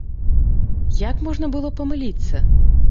Як можна было памыліцца?